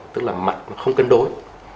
tức là mặt không cân đối